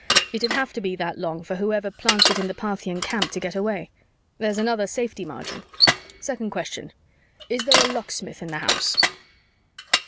"It'd have to be that long for whoever plants it in the Parthian camp to get away. There's another safety margin. "Second question. Is there a locksmith in the house?"